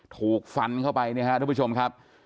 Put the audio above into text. ถูกฟันเข้าไปเนี่ยฮะทุกผู้ชมครับ